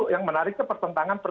yang menarik itu pertentangan